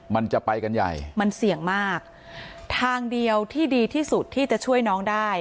มันจะไปกันใหญ่มันเสี่ยงมากทางเดียวที่ดีที่สุดที่จะช่วยน้องได้